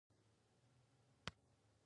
هر سهار زموږ پربام د افق په سیند کې لمبیږې